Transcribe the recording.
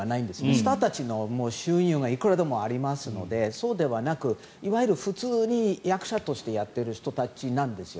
スターたちの収入はいくらでもありますのでそうではなく、いわゆる普通に役者としてやっている人たちなんです。